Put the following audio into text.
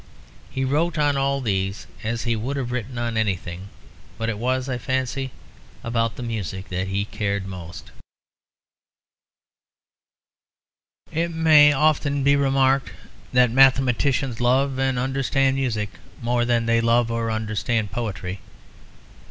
He wrote on all these as he would have written on anything; but it was, I fancy, about the music that he cared most. It may often be remarked that mathematicians love and understand music more than they love or understand poetry.